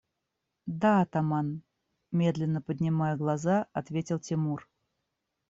– Да, атаман, – медленно поднимая глаза, ответил Тимур.